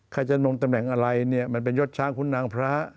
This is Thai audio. ใครจะลงตำแหน่งอะไรเนี่ยมันเป็นยศช้างคุณนางพระ